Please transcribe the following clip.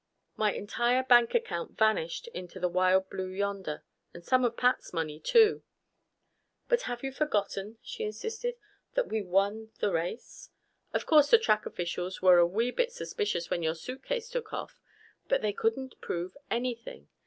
My entire bank account vanished into the wild blue yonder. And some of Pat's money, too." "But have you forgotten," she insisted, "that we won the race? Of course the track officials were a wee bit suspicious when your suitcase took off. But they couldn't prove anything.